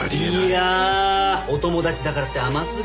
いやあお友達だからって甘すぎません？